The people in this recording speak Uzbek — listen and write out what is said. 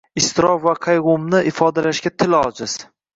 Iztirob va qayg‘umni ifodalashga til ojiz